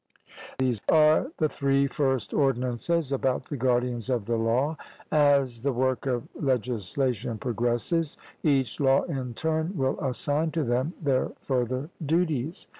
These are the three first ordinances about the guardians of the law; as the work of legislation progresses, each law in turn will assign to them their further duties.